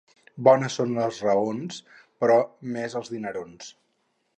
Bones són les raons, però més els dinerons.